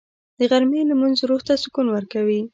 د غرمې لمونځ روح ته سکون ورکوي